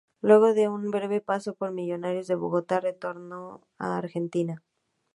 Luego de un breve paso por Millonarios de Bogotá, retornó a Argentina.